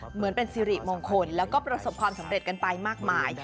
เหมือนเป็นสิริมงคลแล้วก็ประสบความสำเร็จกันไปมากมาย